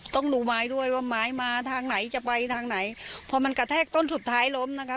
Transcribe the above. ต้องดูไม้ด้วยว่าไม้มาทางไหนจะไปทางไหนพอมันกระแทกต้นสุดท้ายล้มนะคะ